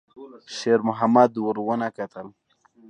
شېرمحمد ور ونه کتل.